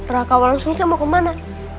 raka langsung saja mau kemana